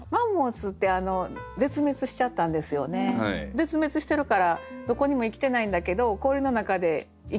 絶滅してるからどこにも生きてないんだけど氷の中で生きてる感じ。